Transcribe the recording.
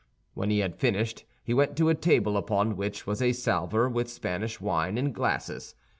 When he had finished, he went to a table upon which was a salver with Spanish wine and glasses.